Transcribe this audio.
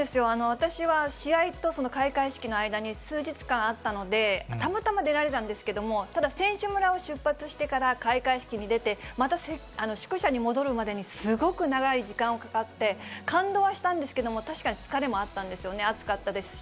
私は試合と開会式の間に数日間あったので、たまたま出られたんですけれども、ただ、選手村を出発してから開会式に出て、また宿舎に戻るまでにすごく長い時間かかって、感動はしたんですけども、確かに疲れもあったんですよね、暑かったですし。